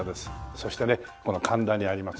そしてねこの神田にあります